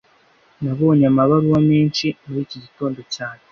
Nabonye amabaruwa menshi muri iki gitondo cyane